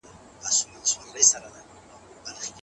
ما تر اوسه پورې د واده فکر نه دی کړی.